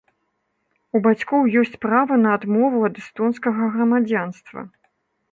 У бацькоў ёсць права на адмову ад эстонскага грамадзянства.